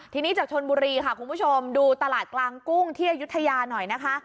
ทีนี้จากชนบุรีค่ะคุณผู้ชมดูตลาดกลางกุ้งที่อายุทยาหน่อยนะคะ